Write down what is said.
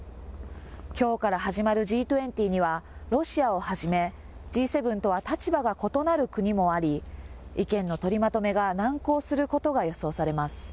きょうから始まるＧ２０には、ロシアをはじめＧ７とは立場が異なる国もあり、意見の取りまとめが難航することが予想されます。